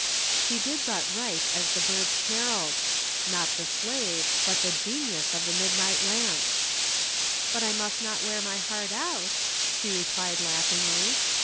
She did but write as the birds carolled not the slave, but the genius of the midnight lamp. "But I must not wear my heart out," she replied, laughingly.